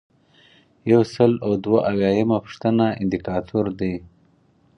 یو سل او دوه اویایمه پوښتنه اندیکاتور دی.